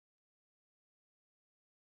ټوله لار لېوه د شنه ځنگله کیسې کړې .